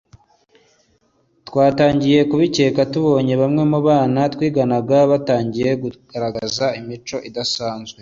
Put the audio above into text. twatangiye kubikeka tubonye bamwe mu bana twiganaga batangiye kugaragaza imico idasanzwe